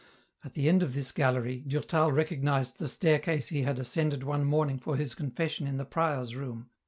At the end of this gallery, Durtal recognised the staircase he had ascended one morning for his confession in the prior's room.